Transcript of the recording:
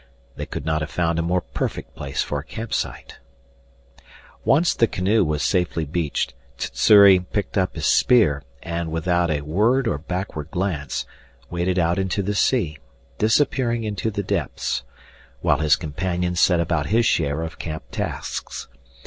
They could not have found a more perfect place for a camp site. Once the canoe was safely beached, Sssuri picked up his spear and, without a word or backward glance, waded out into the sea, disappearing into the depths, while his companion set about his share of camp tasks.